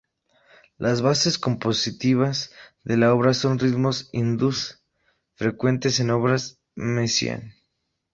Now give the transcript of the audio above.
Las bases compositivas de la obra son ritmos hindúes, frecuentes en obras de Messiaen.